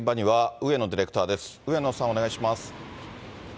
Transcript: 上野さん、お願いします。